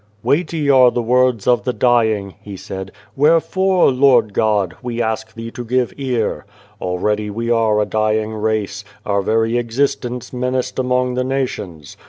1 'Weighty are the words of the dying," he said, " wherefore, Lord God, we ask Thee to give ear. Already we are a dying race, our very existence menaced among the nations.